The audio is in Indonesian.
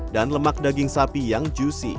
dan lemak daging sapi yang juicy